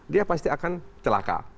dia pasti akan celaka